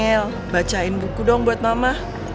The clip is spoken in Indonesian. emil bacain buku dong buat mama